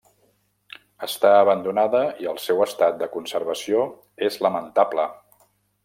Està abandonada i el seu estat de conservació és lamentable.